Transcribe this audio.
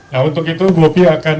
nah untuk itu bobi akan